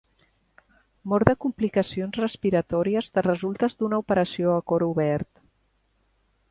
Mor de complicacions respiratòries de resultes d'una operació a cor obert.